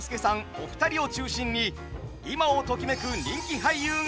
お二人を中心に今をときめく人気俳優が勢ぞろい。